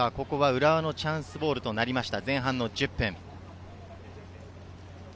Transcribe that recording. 浦和のチャンスボールとなりました、前半１０分。